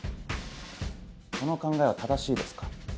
この考えは正しいですか？